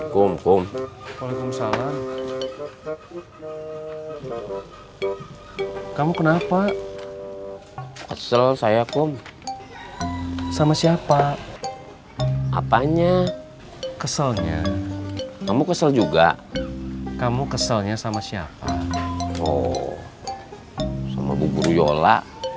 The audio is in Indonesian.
kamu juga kesel sama bu yola